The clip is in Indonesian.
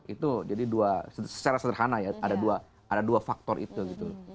itu jadi dua secara sederhana ya ada dua faktor itu gitu